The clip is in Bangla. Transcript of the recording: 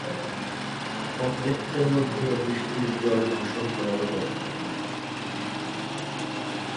কমপ্লেক্সের মধ্যে বৃষ্টির জল ফসল করার ও ব্যবস্থাপনা আছে।